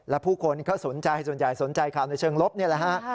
และผู้คนก็สนใจส่วนใหญ่สนใจข่าวในเชิงลบนี่แหละฮะ